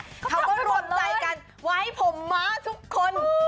เขาก็รวมใจกันไว้ผมม้าทุกคน